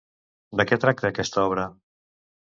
De què tracta aquesta obra?